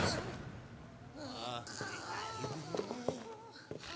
ああ。